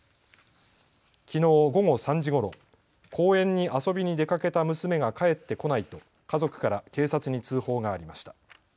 きのう午後３時ごろ、公園に遊びに出かけた娘が帰ってこないと家族から警察に通報がありました。